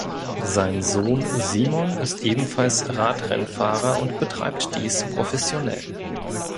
Sein Sohn Simon ist ebenfalls Radrennfahrer und betreibt dies professionell.